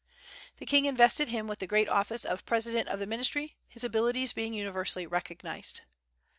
The king invested him with the great office of President of the Ministry, his abilities being universally recognized.